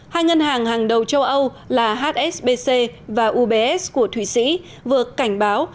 hai ngân hàng hàng đầu châu âu là hsbc và ubs của thụy sĩ vừa cảnh báo